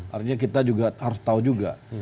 artinya kita juga harus tahu juga